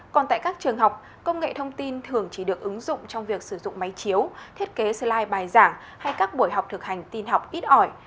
còn tại các trường học công nghệ thông tin thường chỉ được ứng dụng trong việc sử dụng máy chiếu thiết kế silig bài giảng hay các buổi học thực hành tin học ít ỏi